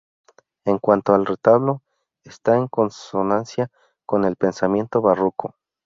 En cuanto al retablo, está en consonancia con el pensamiento barroco.